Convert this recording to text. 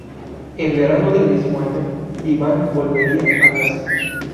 En verano del mismo año Ivan volvería a casa.